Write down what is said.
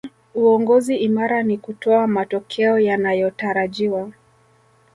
uongozi imara ni kutoa matokeo yanayotarajiwa